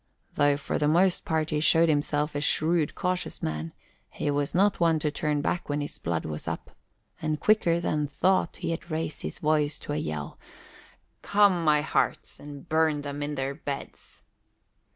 Though for the most part he showed himself a shrewd, cautious man, he was not one to turn back when his blood was up; and quicker than thought he had raised his voice to a yell: "Come, my hearts, and burn them in their beds!"